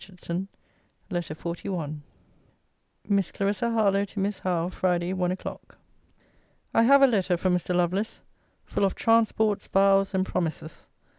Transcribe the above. CL. HARLOWE. LETTER XLI MISS CLARISSA HARLOWE, TO MISS HOWE FRIDAY, ONE O'CLOCK. I have a letter from Mr. Lovelace, full of transports, vows, and promises.